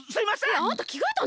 えっあんたきがえたの？